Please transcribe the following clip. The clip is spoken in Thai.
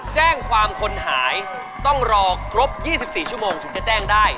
แจ้งความคนหายต้องรอครบ๒๔ชั่วโมงถึงจะแจ้งได้